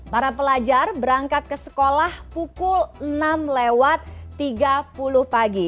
para pelajar berangkat ke sekolah pukul enam lewat tiga puluh pagi